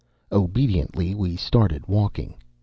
Obediently, we started walking.